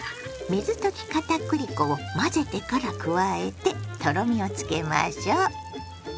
水溶きかたくり粉を混ぜてから加えてとろみをつけましょ。